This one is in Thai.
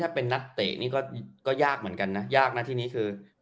ถ้าเป็นนักเตะนี่ก็ยากเหมือนกันนะยากนะที่นี้คือ